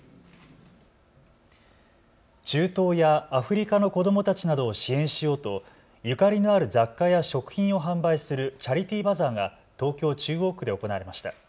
中東やアフリカの子どもたちなどを支援しようとゆかりのある雑貨や食品を販売するチャリティーバザーが東京中央区で行われました。